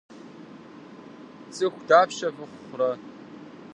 Цӏыху дапщэ фыхъурэ?